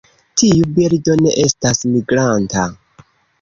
Tiu birdo ne estas migranta.